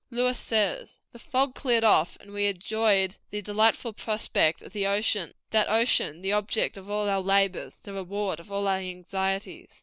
Lewis says: "The fog cleared off, and we enjoyed the delightful prospect of the ocean that ocean, the object of all our labors, the reward of all our anxieties.